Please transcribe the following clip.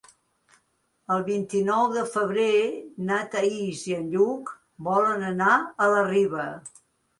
El vint-i-nou de febrer na Thaís i en Lluc volen anar a la Riba.